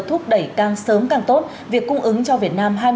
thúc đẩy càng sớm càng tốt việc cung ứng cho việt nam